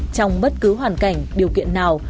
trong bất cứ hoàn cảnh điều kiện nào